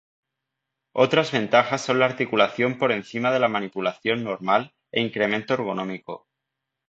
Otras ventajas son la articulación por encima de la manipulación normal e incremento ergonómico.